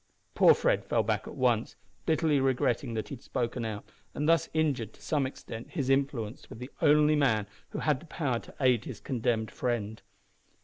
Poor Fred fell back at once, bitterly regretting that he had spoken out, and thus injured to some extent his influence with the only man who had the power to aid his condemned friend.